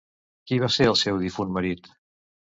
Qui va ser el seu difunt marit?